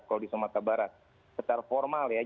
kalau di sumatera barat secara formal ya